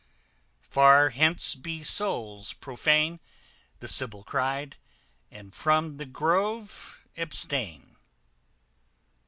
_ Far hence be souls profane, The sibyl cry'd, and from the grove abstain.